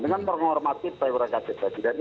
dengan menghormati prioritas presiden